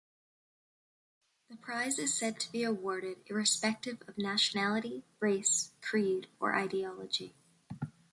The prize is said to be awarded irrespective of nationality, race, creed, or ideology.